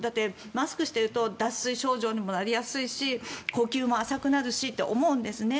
マスクをしてると脱水症状にもなりやすいし呼吸も浅くなるしって思うんですね。